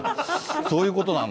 そういうことなんだ。